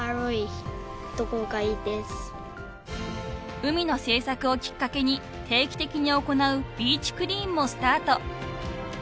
［海の政策をきっかけに定期的に行うビーチクリーンもスタート］